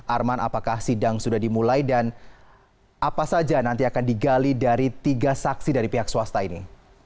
arman apakah sidang sudah dimulai dan apa saja nanti akan digali dari tiga saksi dari pihak swasta ini